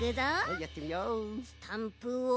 スタンプを。